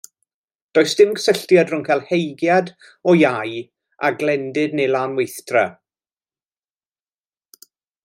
Does dim cysylltiad rhwng cael heigiad o lau a glendid neu lanweithdra.